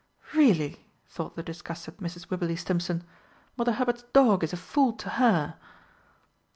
"Really," thought the disgusted Mrs. Wibberley Stimpson, "Mother Hubbard's dog is a fool to her!"